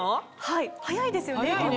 はい早いですよね。